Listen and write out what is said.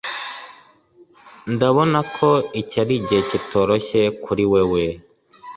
Ndabona ko iki ari igihe kitoroshye kuri wewe.